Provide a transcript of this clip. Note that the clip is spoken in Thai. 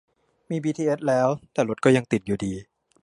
มีบีทีเอสแล้ว แต่รถก็ยังติดอยู่ดี